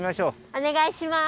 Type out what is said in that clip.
おねがいします。